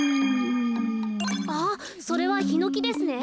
あっそれはヒノキですね。